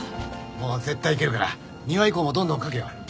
もう絶対いけるから２話以降もどんどん書けよ。